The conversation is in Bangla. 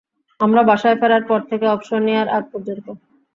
আমরা বাসায় ফেরার পর থেকে অবসর নেয়ার আগ পর্যন্ত।